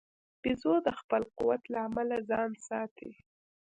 بیزو د خپل قوت له امله ځان ساتي.